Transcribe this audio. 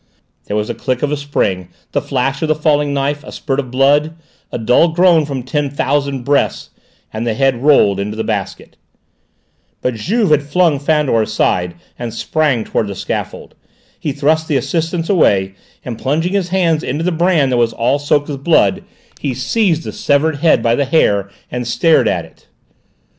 There was a click of a spring, the flash of the falling knife, a spurt of blood, a dull groan from ten thousand breasts, and the head rolled into the basket! But Juve had flung Fandor aside and sprang towards the scaffold. He thrust the assistants away, and plunging his hands into the bran that was all soaked with blood, he seized the severed head by the hair and stared at it.